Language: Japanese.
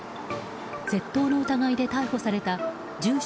窃盗の疑いで逮捕された住所